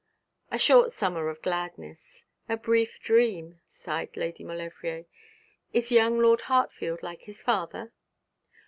'A short summer of gladness, a brief dream,' sighed Lady Maulevrier. 'Is young Lord Hartfield like his father?'